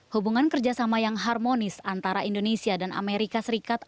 hubungan kerjasama yang harmonis antara indonesia dan amerika serikat